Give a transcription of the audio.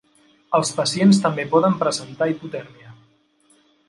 Els pacients també poden presentar hipotèrmia.